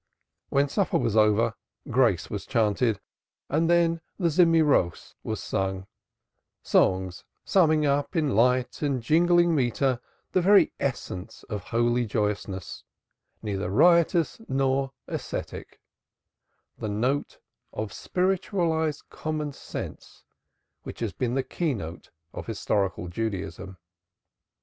When supper was over, grace was chanted and then the Zemiroth was sung songs summing up in light and jingling metre the very essence of holy joyousness neither riotous nor ascetic the note of spiritualized common sense which has been the key note of historical Judaism.